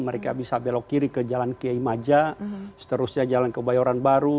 mereka bisa belok kiri ke jalan kiai maja seterusnya jalan kebayoran baru